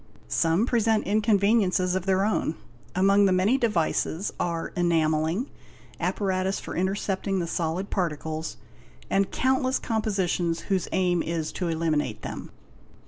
Some present inconveniences of their own. Among the many devices are enarelling, apparatus for intercepting the solid particles, and countless compositions whose aim is to eliminate them.